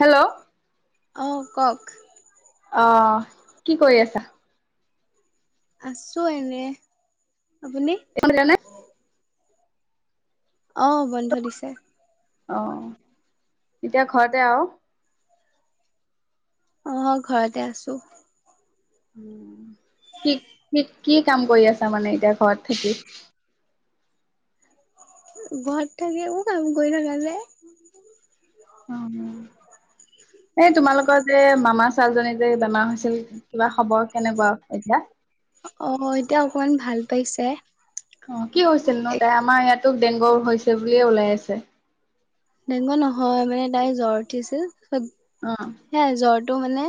Hello অঁ কওক অ কি কৰি আছা? আছোঁ এনে আপুনি? [unintelligible] অঁ বন্ধ দিছে। অ এতিয়া ঘৰতে আৰু। অ ঘৰতে আছোঁ। কি কি কি কাম কৰি আছা মানে এতিয়া ঘৰত থাকি? ঘৰত থাকে মোৰ কাম কৰি থাকা যে। অ এই তোমালোকৰ যে মামা ছোৱালীজনী যে বেমাৰ হৈছিল। কিবা খবৰ কেনেকুৱা এতিয়া? অ এতিয়া অকমান ভাল পাইছে। অ কি হৈছিল নো তাই আমাৰ ইয়াতো ডেংগু হৈছে বুলিয়ে ওলাই আছে। ডেংগু নহয় মানে তাই জ্বৰ উঠিছিল। অহ হে জ্বৰটো মানে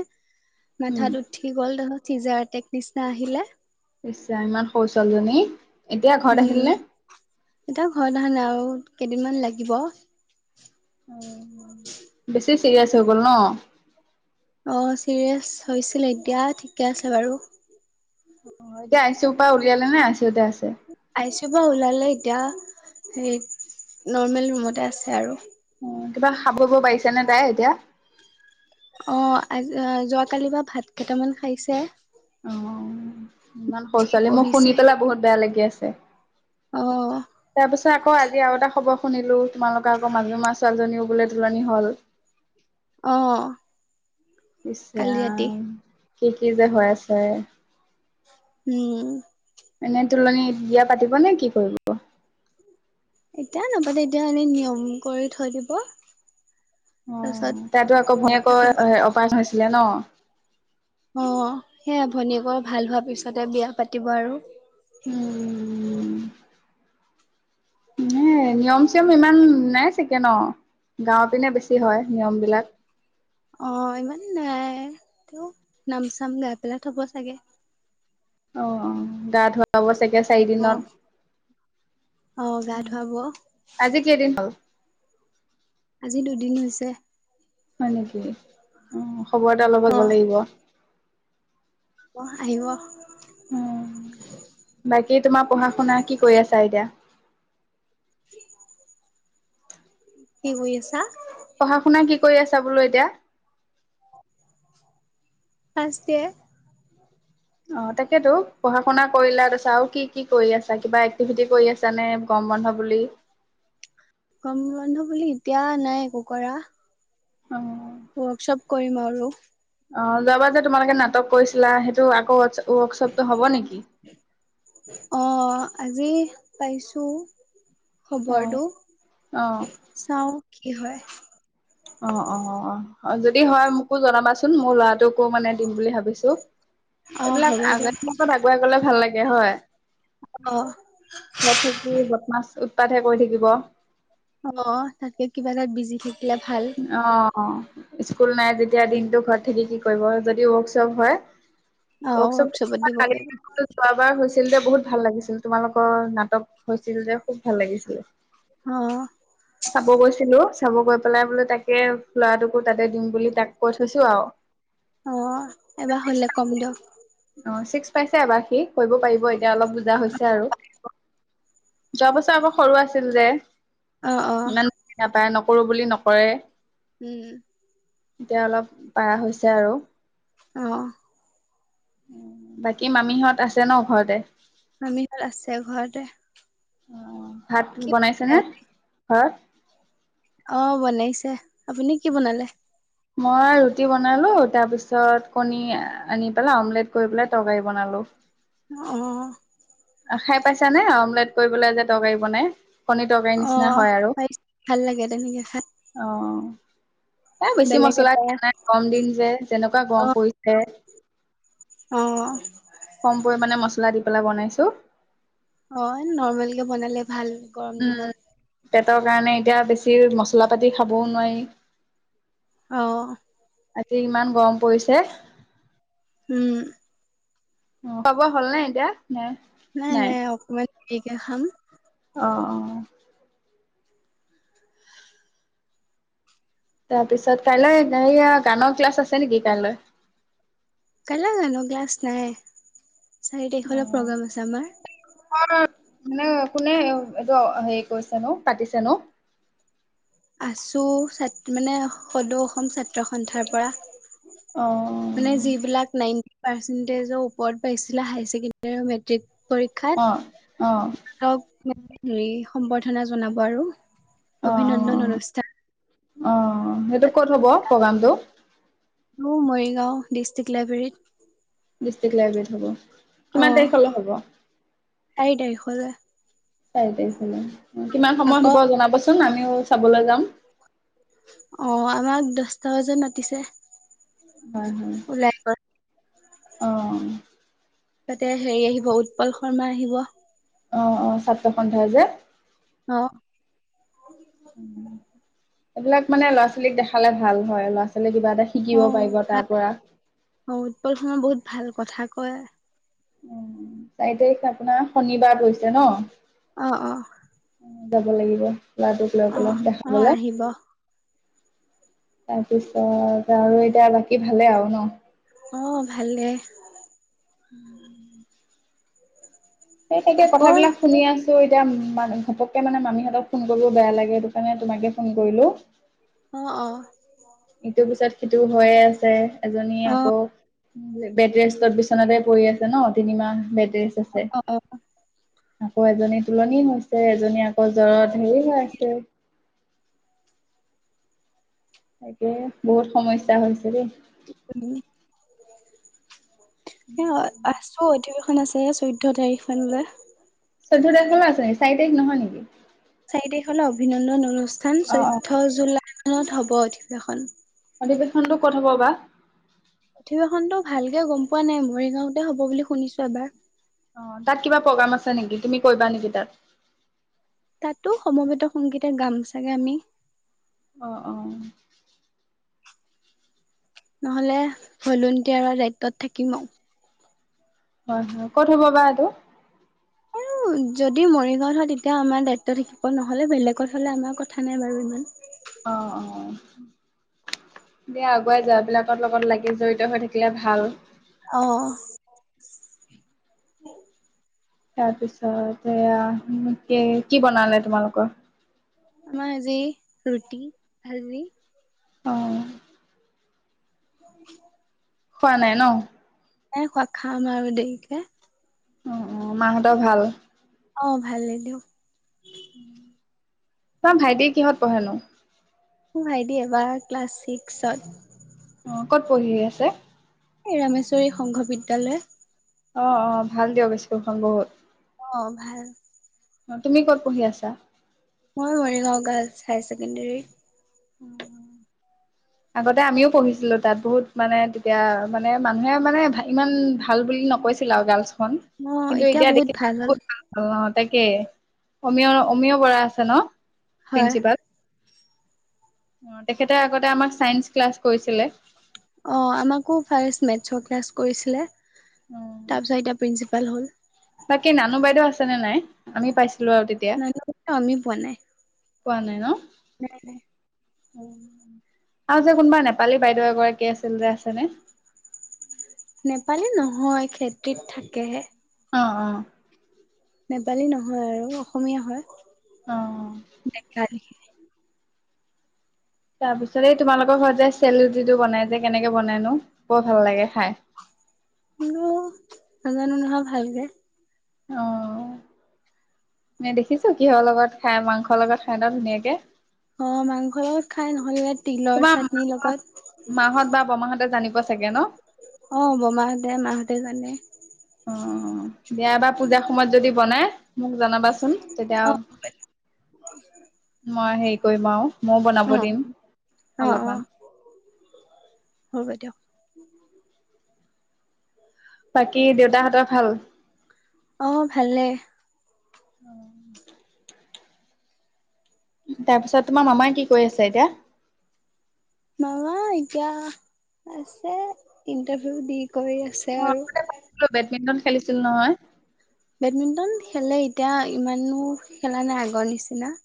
মাথাত উঠি গ'ল চিজাৰ এটেক নিচিনা আহিলে। ইচ্ ৰাম ইমান সৰুছোৱালীজনী। উম এতিয়া ঘৰত আহা লাও আৰু কেইদিনমান লাগিব। বেছি চিৰিয়েছ হৈ গ'ল ন। অ চিৰিয়েচ হৈছিলে এতিয়া ঠিকে আছে বাৰু। অ এতিয়া আই চি উৰ পৰা উলিয়ালে নে আই চি উতে আছে। আই চি ইউ পৰা ওলালে এতিয়া হেই নৰ্মেল ৰুমতে আছে আৰু। অ কিবা খাব বব পাৰিছে নে তাই এতিয়া? অ আজি যোৱাকালি পা ভাত কেইটামান খাইছে। ইমান সৰু উঠি ছোৱালী মোক বহিছে। শুনি পেলাই বহুত বেয়া লাগি আছে। অ তাৰপিছত আকৌ আজি আৰু এটা খবৰ শুনিলোঁ তোমালোকৰ আকৌ মাজু মা ছোৱালীজনীও বোলে তুলনি হ'ল। অহ ইচ্ ৰাম কি কি যে হৈ আছে। উম এনে তোলনি বিয়া পাতিব নে কি কৰিব? এতিয়া নাপাতে দিয়া এনেই নিয়ম কৰি থৈ দিব। তাৰপিছত অহ তাতো আকৌ ভনিয়েকৰ পাতিব। আহ অপাৰেশ্যন হৈছিলে ন। অহ সেইয়া ভনীয়েকৰ ভাল হোৱাৰ পিছতে বিয়া পাতিব আৰু। উম এনেই নিয়ম চিয়ম ইমান নাই চাগে ন গাঁৱত পিনে বেছি হয় নিয়ম বিলাক। অহ ইমান নাই তো নাম চাম গাই পেলাই থব চাগে। অহ গা ধুৱা হ'ব চাগে চাৰিদিনত অ', অ', গা ধুৱাব আজি কেইদিন হ'ল। আজি দুদিন হৈছে। হয় নেকি অহ খবৰ এটা ল'ব গৈ অ'। লাগিব। অহ আহিব। উম বাকী তোমাৰ পঢ়া শুনা কি কৰি আছা এতিয়া? কি কি কৰিছা? পঢ়া শুনা কি কৰি আছা বোলো এতিয়া? First year. অহ তাকেতো পঢ়া শুনা কৰিলা তাৰপিছত আৰু কি কি কৰি আছা? কিবা এক্টিভিটি কৰি আছা ছানে গৰম বন্ধ বুলি? গৰম বন্ধ বুলি এতিয়া নাই একো কৰা। অহ। ৱৰ্কশ্বপ কৰিম আৰু। অহ যোৱাবাৰ যে তোমালোকে নাটক কৰিছিলা সেইটো আকৌ ৱৰ্ক ৱৰ্কশ্বপটো হ'ব নেকি? অহ আজি পাইছোঁ। অ খবৰটো অ চাওঁ কি হয়। অহ অহ অহ যদি হয় মোকো জনাবাচোন মোৰ ল'ৰাটোকো মানে দিম বুলি ভাবিছোঁ। অ এইবিলাক হ'ব আগত দিয়ক আগুৱাই গ'লে ভাল লাগে হয়। অহ। ঘৰত থাকিও বদমাছ উৎপাতহে কৰি থাকিব। অহ তাতকে কিবা এটাত বিজি থাকিলে ভাল। অহ। স্কুল নাই যেতিয়া দিনটো ঘৰত থাকি কি কৰিব যদি ৱৰ্কশ্বপ হয়। অ ৱৰ্কশ্বপত দিব পাৰিব [unintelligible] যোৱাবাৰ হৈছিল যে বহুত ভাল লাগিছিল। তোমালোকৰ নাটক হৈছিল যে খুব ভাল লাগিছিলে। অহ। চাব গৈছিলো চাব গৈ পেলাই বোলে তাকে ল'ৰাটোকো তাতে দিম বুলি তাক কৈ থৈছো আউ। অ এবাৰ হ'লে কম দিয়ক। অহ চিক্স পাইছে এবাৰ সি কৰিব পাৰিব এতিয়া অলপ বুজা হৈছে আৰু। যোৱা বছৰ আকৌ সৰু আছিল যে। অহ অহ। তাপাই নকৰোঁ বুলি নকৰে। উম। এতিয়া অলপ পাৰা হৈছে আৰু। অঁহ। বাকী মামীহঁত আছে ন ঘৰতে? মামীহঁত আছে ঘৰতে। অ ভাত কি বনাইছে বনালে নে ঘৰত? অহ বনাইছে, আপুনি কি বনালে? মই ৰুটি বনালো তাৰ পিছত কণী আনি পেলাই অমলেট কৰি পেলাই তৰকাৰী বনালো। অ। খাই পাইছা নে অমলেট কৰিবলৈ যে তৰকাৰী বনাই। কণে তৰকাৰি অ নিচিনা হয় আৰু। ভাল লাগে তেনেকে খাই অ এ বেছি বেলেগ মছলা এটা দিয়া নাই। কম দিন যে যেনেকুৱা অ গম পৰিছে। অ। কম পৰিমাণে মছলা দি পেলাই বনাইছো। অ নৰ্মেল কে বনালে ভাল গৰম উম, দিনত। পেটৰ কাৰণে এতিয়া বেছি মছলা পাতি খাবও নোৱাৰি। অ। আজি ইমান গৰম পৰিছে। উম। উ খোয়াবোয়া হ'ল নাই এতিয়া নাই নাই। এতিয়া খাম। অ অ। তাৰ পিছত কাইলৈ হেয়া গানৰ ক্লাছ আছে নেকি কাইলৈ। কাইলৈ গান ক্লাছ নাই চাৰি তাৰিখলৈ প্ৰগ্ৰেম আছে আমাৰ। অ মানে কোনে এইটো হেৰি কৰিছে নো পাতিছে নো। আছো ছাত মানে সদৌ অসম ছাত্ৰ সন্থাৰ পৰা। অ যিবিলাক নাইনতি পাৰ্চেন্টেজৰ ওপৰত পাইছিলে হাই ছেকেণ্ড মেট্ৰিক পৰীক্ষাত। অ অ। আও হেৰি সম্বৰ্ধনা জনাব আৰু অ অভিনন্দন অনুষ্ঠান। অ সেইটো ক'ত হ'ব প্ৰগ্ৰামটো। তো মৰিগাঁও ডিষ্ট্ৰিক্ট লাইব্ৰেৰীত। ডিষ্ট্ৰিক্ট লাইব্ৰেৰীত হ'ব কিমান অ', তাৰিখলে হ'ব। চাৰি তাৰিখলে। চাৰি তাৰিখলে কিমান সময় আকৌ হ'ব জনাবাচোন আমিও চাবলৈ যাম। অ আমাক দছটা বজাত মাতিছে। হয় হয় ওলাই গ'ল অ। তাতে হেৰি আহিব উৎপল শৰ্মা আহিব। অ অ ছাত্ৰ সন্থা যে। অ। এইবিলাক মানে ল'ৰা ছোৱালীক দেখালে ভাল হয়। ল'ৰা ছোৱালী কিবা এটা শিকিব অ পাৰিব ভাল তাৰপৰা অ উৎপল শৰ্মাই বহুত ভাল কথা কয়। উম, চাৰি তাৰিখ আপোনাৰ শনিবাৰ পৰিছে ন অ অ, যাব লাগিব লৰাটোক লৈ অ পেলাই অ দেখাবলে। আহিব তাৰপিছত আৰু এতিয়া বাকী ভালে আও ন। অ ভালে। উম। সেই তেতিয়া আকৌ কথাবিলাক শুনি আছ ছো এতিয়া ম ঘপককে মানে মামিহঁতক ফোন কৰিলো বেয়া লাগে সেইটো কাৰণে তোমাকে ফোন কৰিলো। অ অ। ইটোৰ পিছত সিটো হৈয়ে আছে এজনী অ আকৌ। বেটৰেজত বিচনাতে পৰি আছে ন তিনিমাহ বেটৰেজ আছে। অ অ আকৌ এজনী তুলনি হৈছে এজনী আকৌ জ্বৰত হেৰি হৈ আছে। তাকে বহুত সমস্যা হৈছে দেই সে অ আছো। অধিৱেশন আছে চৈধ্য তাৰিখ মানলৈ। চৈধ্য তাৰিখলৈ আছে নেকি চাৰি তাৰিখ নহয় নেকি চাৰি তাৰিখ লৈ অভিনন্দন অনুষ্ঠান, অ অ চৈধ্য জুলাই মানত হব অধিবেশন অধিৱেশনটো ক'ত হ'ব বা। অধিৱেশনটো ভালকে গম পোৱা নাই মৰিগাঁওতে হ'ব বুলি শুনিছো এবাৰ অ তাত কিবা প্ৰগ্ৰাম আছে নেকি তুমি কৰিবা নেকি তাত? তাতো সমবেত সংগীতে গাম চাগে আমি অ অ, নহলে ভলোটিয়াৰৰ দায়িত্বত থাকিম আও হয় হয় ক'ত হ'ব বাহ এইটো আৰু যদি মৰিগাঁওত হয় তেতিয়া আমাৰ দায়িত্ব থাকিব নহ'লে বেলেগত হলে আমাৰ কথা নাই বাৰু ইমান অ অ, দিয়া আগুৱাই যোৱা এই বিলাকৰ লগত লাগি জড়িত হৈ থাকিলে ভাল। অ তাৰপিছত এয়া কে, কি বনালে তোমালোকৰ আম আজি ৰুটি, ভাজি অ', হয়। [unintelligible] হোৱা নাই ন। এ খোৱা খাম আৰু দেৰিকে। অ', অ', মাহঁতৰ ভাল। অ, ভালেই দিয়ক। উম, ত ভাইটি কিহত পঢ়েনো। মোৰ ভাইটি এবাৰ ক্লাছ ছিক্সত। অ, ক'ত পঢ়ি আছে। এই ৰামেশ্বৰী সংঘ বিদ্যয়ালয়। অ', অ', ভাল দিয়ক বিস্কুলখন বহুত। অ, ভাল। তুমি ক'ত পঢ়ি আছা? মই মৰিগাঁও গাৰ্লছ হায়াৰ ছেকেণ্ডেৰী। উম, আগতে আমিও পঢ়িছিলো তাত, বহুত মানে তেতিয়া মানে মানুহে মানে ইমান ভাল বুলি নকৈছে [unintelligible] আৰু গাৰ্লছ খন অ' কিন্তু এতিয়া বহুত দেখিছো হ'ল। বহুত ভাল। অ, তাকে অমিঅ-অমিঅ বৰা আছে ন হয়, প্ৰিন্সিপাল। অ, তেখেতে আগতে আমাক চাইন্স ক্লাছ কৰিছিলে। অ, আমাকো ফাষ্ট মেথছৰ ক্লাছ কৰিছিলে, অ তাৰপিছত এতিয়া প্ৰিন্ঞ্চিপাল হ'ল। তাকে নানু বাইদেউ আছেনে নে নাই আমি পাইছিলোঁ আৰু তেত নাই ন আমি পোৱা নাই। পোৱা নাই ন? নাই-নাই। আৰু যে কোনোবা নেপালী বাইদেউ এগৰাকী আছিল যে আছেনে? নেপালী নহয় খেতিত থাকেহে। অ', অ', নেপালী নহয় আৰু অসমীয়া অ হয় ডেকা লিখে। তাৰ পিছতে এই তোমালোকৰ ঘৰত যে চেলুটিটো, বনাই যে কেনেকে বনাইনো বৰ ভাল লাগে খাই। কোনো নাজানো নহয় ভালকে। অ, নে দেখিছো কিহৰ লগত খাই মাংসৰ লগত খাই ন ধুনীয়াকে। অ, মাংসৰ লগত খাই নহলে তিলৰ তোমাৰ চাটনিৰ লগত। মাহত-মাহত বা বমাহতে জানিব চাগে ন? অ, বমাহঁতে মাহঁতে জানে। অ, দিয়া বা পূজাৰ সময়ত যদি বনাই মোক জনাবাচোন তেতিয়া অ' মই হেৰি কৰিম আও। মও বনাব অ' দিম অ অলপমান। হ'ব দিয়ক। বাকী দেউতাহঁতৰ ভাল? অ, ভালে। অ', তাৰপিছত তোমাৰ মামাই কি কৰি আছে এতিয়া? মামা এতিয়া, আছে ইণ্টাৰভিউ দি কৰি আছে আৰু। বেডমিণ্টন খেলিছিল নহয়? বেডমিণ্টন খেলে এতিয়া ইমানো খেলা নাই আগৰ নিচিনা।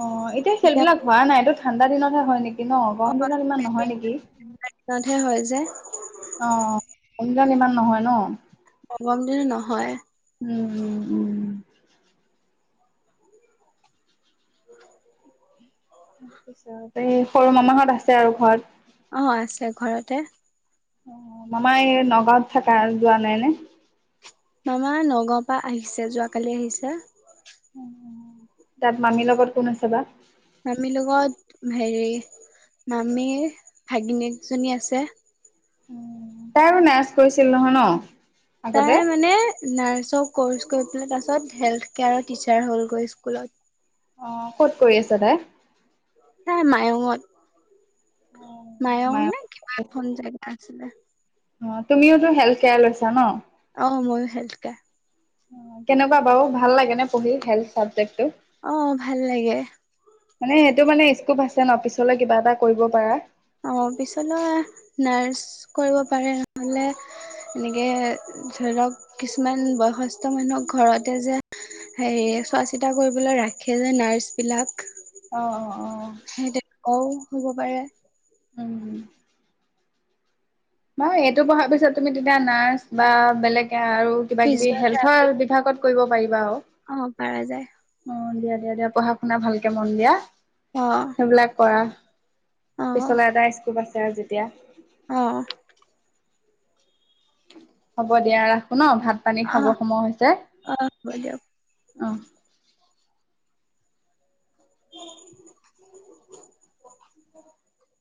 অ, এতিয়া খেলবিলাক হোৱা নাই এইটো ঠাণ্ডা দিনতহে হয় নেকি। ন'গৰম অ' দিনত ইমান নহয় নেকি। বেডমিন্টনতহে হয় যে অ, গৰম দিনত ইমান নহয় ন। অ', গৰম দিনত নহয়। উম- উম -উম তাৰপিছত এই সৰু মামাহঁত আছে আৰু ঘৰত? অ', আছে ঘৰতে। মামাই এই নগাঁৱত থাকে আৰু যোৱা নাই নে? মামা নগাঁওৰ পৰা আহিছে যোৱাকালি আহিছে। তাত মামীৰ লগত কোন আছে বা? মামীৰ লগত হেৰি মামীৰ ভাগিনিয়েকজনী আছে। তাইও নাৰ্ছ কৰিছিল নহয় ন'? আগতে? তাই মানে নাৰ্ছৰ কৰ্চ কৰি পেলাই তাৰছত হেল্থ কেয়াৰৰ টিচাৰ হ'লগৈ স্কুলত। অ', ক'ত কৰি আছে তাই? নাই মায়ঙত মায়ং মায়ে নে কিবা কৰি আছে। এখন জেগা আছিলে। অ', তুমিওতো হেল্থ কেয়াৰ লৈছা ন? অ', মইও হেল্থ কেয়াৰ। অ কেনেকুৱা বাৰু ভাল লাগে নে পঢ়ি হেলথ চাবজেক্টটো? অহ, ভাল লাগে। মানে এইটো মানে স্কুপ আছে ন, পিছলৈ কিবা এটা কৰিব পাৰা। অ', পিছলৈ নাৰ্ছ কৰিব পাৰে ন'হলে এনেকে ধৰি ল'ক কিছুমান বয়সস্থ মানুহক ঘৰতে যে হেৰি চোৱা চিতা কৰিবলৈ ৰাখে যে নাৰ্ছ বিলাক। অ অ অ সেই অ হ'ব পাৰে উম মই এইটো পঢ়াৰ পিছত তুমি তেতিয়া নাৰ্ছ বা বেলেগ হে আৰু কিবা- কিবি ফিজিঅথেৰাপি হেল্থৰ বিভাগত কৰিব পাৰিবা আৰু। পাৰা যায় অ', দিয়া- দিয়া -দিয়া পঢ়া -শুনা ভালকে মন দিয়া। অ', এইবিলাক কৰা অ পিছলে এটা স্কুপ আছে আৰু যেতিয়া। অ', হ'ব দিয়া ৰাখোঁ ন, ভাত পানী অ খাব সময় হৈছে অ হ'ব দিয়ক অহ। [inaudible]